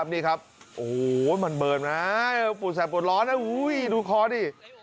นี่ครับโอ้โฮมันเบิร์นมาปุ่นแสบปุ่นร้อนนะอุ้ยดูคอดิ